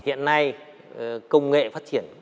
hiện nay công nghệ phát triển